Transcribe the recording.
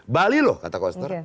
bali loh kata koster